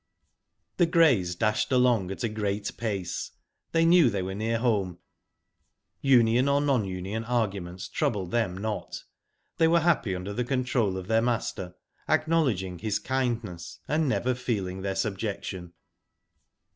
The greys dashed along at a great pace — they knew they were near home — union or non union arguments troubled them not. They were happy under the control of their master, acknow ledging his kindness, and never feeling their sub jection.